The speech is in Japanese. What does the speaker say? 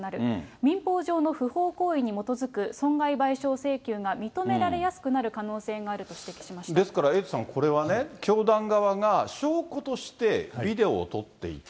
民法上の不法行為に基づく損害賠償請求が認められやすくなる可能ですから、エイトさん、これはね、教団側が証拠としてビデオを撮っていた。